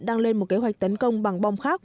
đang lên một kế hoạch tấn công bằng bom khác